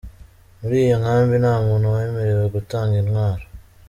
Muri iyo nkambi nta muntu wemerewe gutunga intwaro.